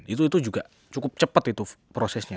itu juga cukup cepat itu prosesnya